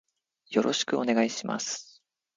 よろしくお願いします。